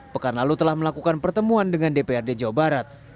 pekan lalu telah melakukan pertemuan dengan dprd jawa barat